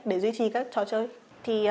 để duy trì các trò chơi